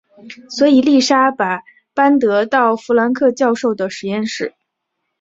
所以丽莎把班德到弗林克教授的实验室。